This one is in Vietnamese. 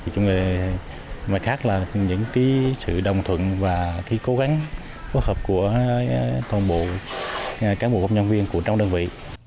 chúng khác là những sự đồng thuận và cố gắng phối hợp của toàn bộ cán bộ công nhân viên của trong đơn vị